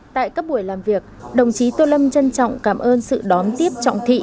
tại các buổi làm việc đồng chí tô lâm trân trọng cảm ơn sự đón tiếp trọng thị